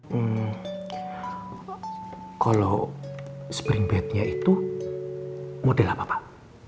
hmm kalau spring bednya itu model apa pak